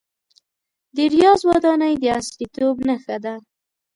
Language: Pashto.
د ریاض ودانۍ د عصریتوب نښه ده.